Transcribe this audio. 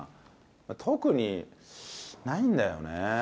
特に、ないんだよね。